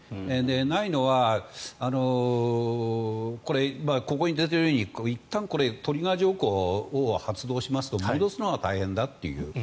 ないのは、ここに出ているようにいったんトリガー条項を発動しますと戻すのが大変だという。